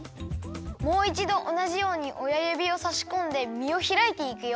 もういちどおなじようにおやゆびをさしこんでみをひらいていくよ。